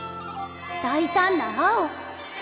大胆な青。